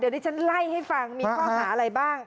เดี๋ยวดิฉันไล่ให้ฟังมีข้อหาอะไรบ้าง